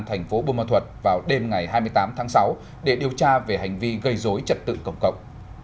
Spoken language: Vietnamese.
thành phố bùa ma thuật vào đêm ngày hai mươi tám tháng sáu để điều tra về hành vi gây dối trật tự công cộng